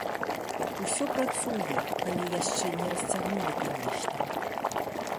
Усё працуе, калі яшчэ не расцягнулі, канешне.